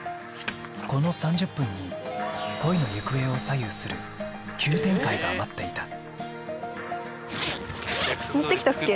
この３０分に恋の行方を左右する急展開が待っていた持ってきたっけ